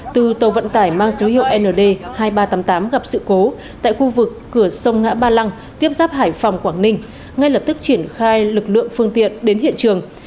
từ tàu vận tải mang số hiệu nd hai nghìn ba trăm tám mươi tám gặp sự cố tại khu vực cửa sông ngã ba lăng tiếp giáp hải phòng quảng ninh ngay lập tức triển khai lực lượng phương tiện đến hiện trường